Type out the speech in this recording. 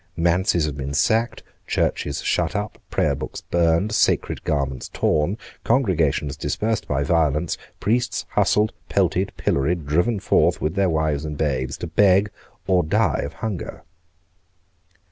Manses had been sacked; churches shut up; prayer books burned; sacred garments torn; congregations dispersed by violence; priests hustled, pelted, pilloried, driven forth, with their wives and babes, to beg or die of hunger.